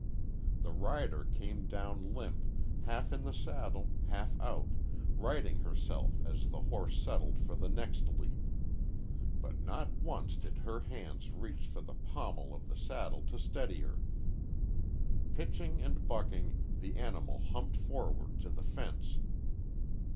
The rider came down limp, half in the saddle, half out, righting herself as the horse settled for the next leap. But not once did her hands reach for the pommel of the saddle to steady her. Pitching and bucking, the animal humped forward to the fence.